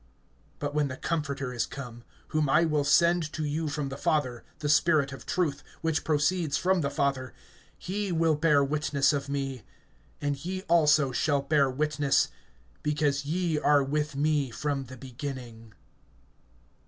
(26)But when the Comforter is come, whom I will send to you from the Father, the Spirit of truth, which proceeds from the Father, he will bear witness of me. (27)And ye also shall bear witness, because ye are with me from the beginning.